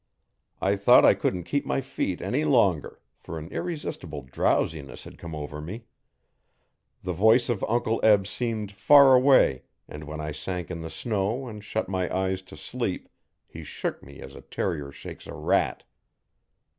I thought I couldn't keep my feet any longer, for an irresistible drowsiness had come over me. The voice of Uncle Eb seemed far away, and when I sank in the snow and shut my eyes to sleep he shook me as a terrier shakes a rat.